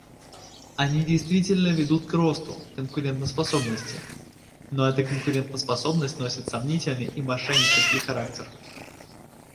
Они действительно ведут к росту конкурентоспособности, но эта конкурентоспособность носит сомнительный и мошеннический характер.